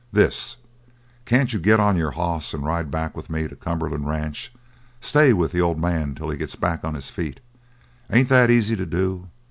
"This! Can't you git on your hoss and ride back with me to Cumberland Ranch? Stay with the old man till he gets back on his feet. Ain't that easy to do?